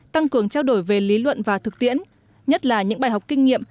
tăng cường trao đổi về lý luận và thực tiễn nhất là những bài học kinh nghiệm